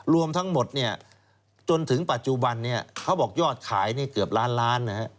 รวมทั้งหมดจนถึงปัจจุบันนี้เขาบอกยอดขายเกือบล้านล้าน